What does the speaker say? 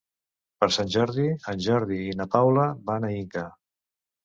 Per Sant Jordi en Jordi i na Paula van a Inca.